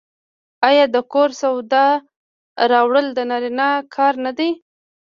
آیا د کور د سودا راوړل د نارینه کار نه دی؟